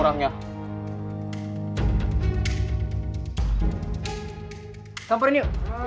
sampai ini yuk